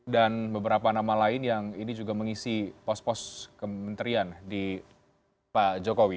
dan beberapa nama lain yang ini juga mengisi pos pos kementerian di pak jokowi